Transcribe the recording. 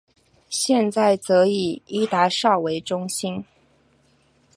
现在则以伊达邵为中心。